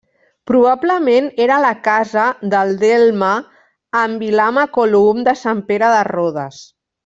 Probablement era la casa del delme en Vilamacolum de Sant Pere de Rodes.